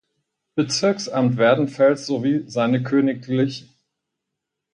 Bezirksamt Werdenfels, sowie Seine Königl.